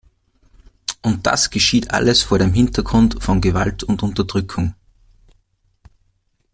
Und das geschieht alles vor dem Hintergrund von Gewalt und Unterdrückung.